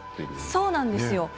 そうなんですよ